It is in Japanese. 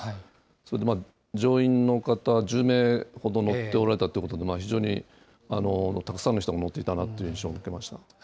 それで乗員の方１０名ほど乗っておられたということで、非常にたくさんの人が乗っていたなという印象を受けました。